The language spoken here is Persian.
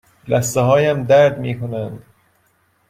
لثه هایم درد می کنند.